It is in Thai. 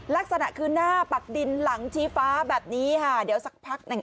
ลักษณะคือหน้าปักดินหลังชี้ฟ้าแบบนี้ค่ะเดี๋ยวสักพักหนึ่ง